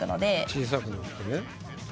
小さくなってね。